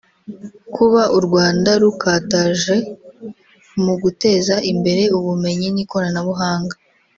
Kuba u Rwanda rukataje mu guteza imbere ubumenyi n’Ikoranabuhanga